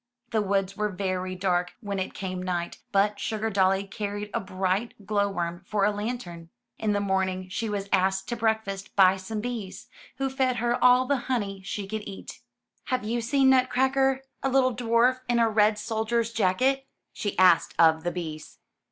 The woods were very dark when it came night, but Sugardolly carried a bright glow worm for a lantern. In the morning she was asked to breakfast by some 96 UP ONE PAIR OF STAIRS bees, who fed her all the honey she could eat. Have you seen Nutcracker — a little dwarf in a red soldier's jacket?'* she asked of the bees.